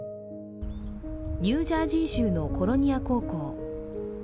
ニュージャージー州のコロニア高校。